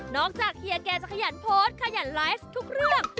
จากเฮียแกจะขยันโพสต์ขยันไลฟ์ทุกเรื่อง